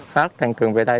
phát tăng cường về đây